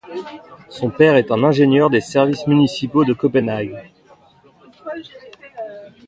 Son père est un ingénieur des services municipaux de Copenhague.